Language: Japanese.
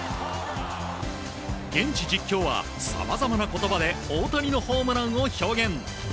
現地実況は、さまざまな言葉で大谷のホームランを表現。